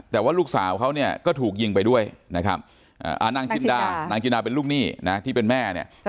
แต่ว่าลูกสาวเขาเนี่ยก็ถูกยิงไปด้วยนะครับนางจินดานางจินดาเป็นลูกหนี้นะที่เป็นแม่เนี่ย